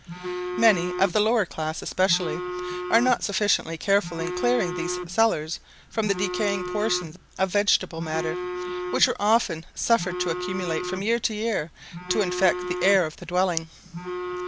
Many, of the lower class especially, are not sufficiently careful in clearing these cellars from the decaying portions of vegetable matter, which are often suffered to accumulate from year to year to infect the air of the dwelling.